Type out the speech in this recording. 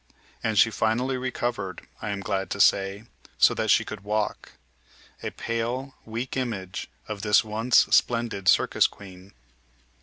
And she finally recovered, I am glad to say, so that she could walk a pale, weak image of this once splendid circus queen.